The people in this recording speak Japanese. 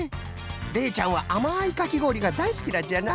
れいちゃんはあまいかきごおりがだいすきなんじゃな。